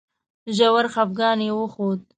ژور خپګان یې وښود.